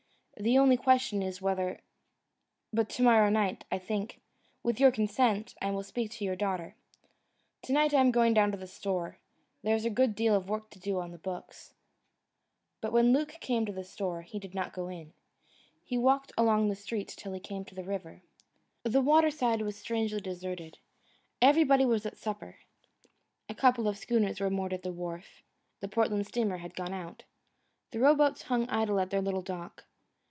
The only question is, whether But to morrow night, I think, with your consent, I will speak to your daughter. To night I am going down to the store; there is a good deal of work to do on the books." But when Luke came to the store, he did not go in. He walked along the street till he came to the river. The water side was strangely deserted. Everybody was at supper. A couple of schooners were moored at the wharf. The Portland steamer had gone out. The row boats hung idle at their little dock.